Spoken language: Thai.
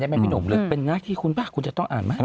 ไม่มีหนุ่มเลยเป็นงานที่คุณบ้าง